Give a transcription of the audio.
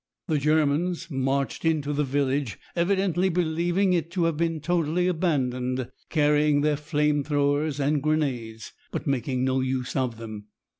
The Germans marched into the village, evidently believing it to have been totally abandoned, carrying their flame throwers and grenades, but making no use of them.